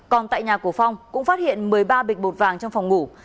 còn tại nhà của phong cũng phát hiện một mươi ba bịch bột vàng trong phòng ngủ